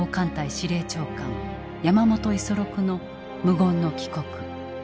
司令長官山本五十六の無言の帰国。